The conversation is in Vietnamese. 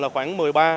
là khoảng một mươi ba